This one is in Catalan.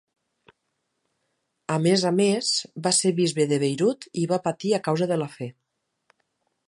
A més a més, va ser bisbe de Beirut i va patir a causa de la fe.